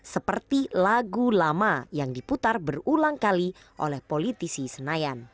seperti lagu lama yang diputar berulang kali oleh politisi senayan